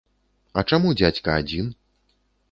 А чаму дзядзька адзін?